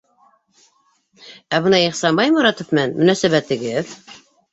Ә бына Ихсанбай Моратов менән мөнәсәбәтегеҙ?